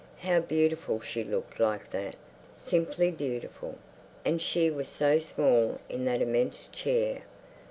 How beautiful she looked like that!—simply beautiful—and she was so small in that immense chair.